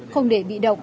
không để bị động